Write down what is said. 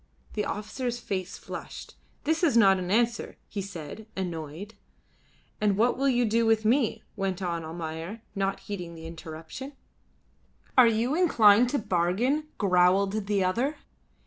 The officer's face flushed. "This is not an answer," he said, annoyed. "And what will you do with me?" went on Almayer, not heeding the interruption. "Are you inclined to bargain?" growled the other.